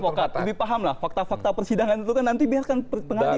pak wayan kan lebih paham lah fakta fakta persidangan itu kan nanti biarkan pengadilan